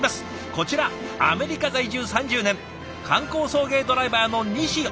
こちらアメリカ在住３０年観光送迎ドライバーの西修美さん。